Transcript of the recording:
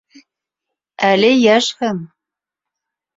Әле йәшһең!